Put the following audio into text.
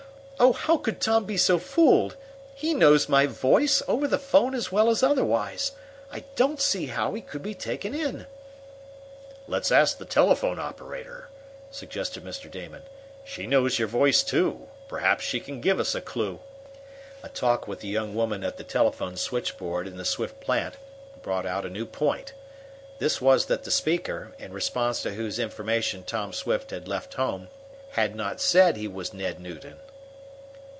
Oh, how could Tom be so fooled? He knows my voice, over the phone as well as otherwise. I don't see how he could be taken in." "Let's ask the telephone operator," suggested Mr. Damon. "She knows your voice, too. Perhaps she can give us a clew." A talk with the young woman at the telephone switchboard in the Swift plant brought out a new point. This was that the speaker, in response to whose information Tom Swift had left home, had not said he was Ned Newton.